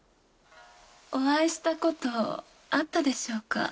お会いした事あったでしょうか？